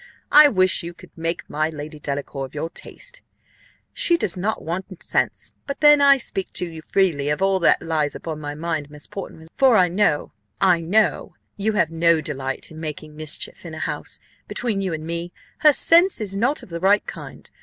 I wish you could make my Lady Delacour of your taste she does not want sense but then (I speak to you freely of all that lies upon my mind, Miss Portman, for I know I know you have no delight in making mischief in a house,) between you and me, her sense is not of the right kind.